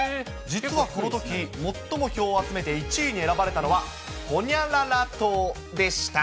実はこのとき、最も票を集めて１位に選ばれたのは、ホニャララ塔でした。